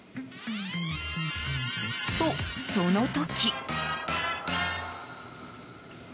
と、その時。